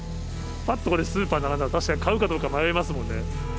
だってこれ、スーパーに並んでたら、確かに買うかどうか迷いますもんね。